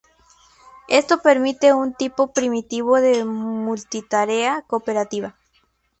Esto permite un tipo primitivo de multitarea cooperativa.